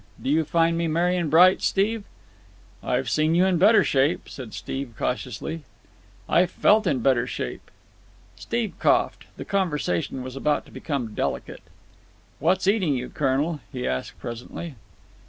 Do you find me merry and bright, Steve?" "I've seen you in better shape," said Steve cautiously. "I've felt in better shape." Steve coughed. The conversation was about to become delicate. "What's eating you, colonel?" he asked presently.